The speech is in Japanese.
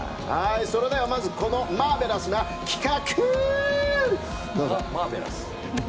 それではまずこのマーベラスな企画、どうぞ！